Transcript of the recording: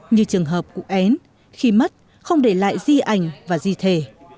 như trường hợp cụ én khi mất không để lại di ảnh và di thể